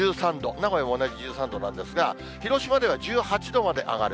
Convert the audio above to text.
名古屋も同じ１３度なんですが、広島では１８度まで上がる。